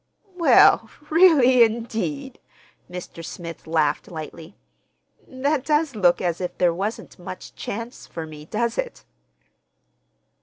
"Well, really, indeed!" Mr. Smith laughed lightly. "That does look as if there wasn't much chance for me, doesn't it?"